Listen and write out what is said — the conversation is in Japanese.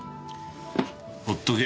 ほっとけ。